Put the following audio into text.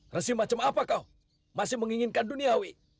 resim macam apa kau masih menginginkan duniawi